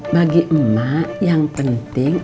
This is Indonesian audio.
bagi emak yang penting